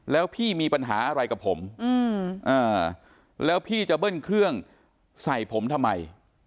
แล้วพี่มีปัญหาอะไรกับผมแล้วพี่จะเบิ้ลเครื่องใส่ผมทำไม